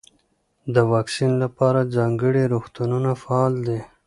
د واکسین لپاره ځانګړي روغتونونه فعال دي.